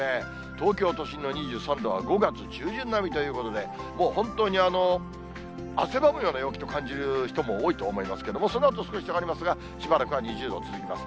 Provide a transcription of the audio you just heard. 東京都心の２３度は５月中旬並みということで、もう本当に汗ばむような陽気と感じる人も多いと思いますけれども、そのあと少し下がりますが、しばらくは２０度続きます。